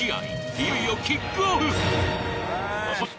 いよいよキックオフ。